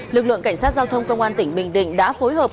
lực lượng cảnh sát giao thông công an tỉnh bình định đã phối hợp